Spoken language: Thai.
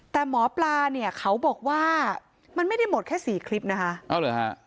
แต่หมอปลาเนี่ยเขาบอกว่ามันไม่ได้หมดแค่สี่คลิปนะคะเอาเหรอฮะ